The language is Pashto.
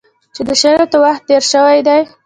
چې د شرایطو وخت تېر شوی دی.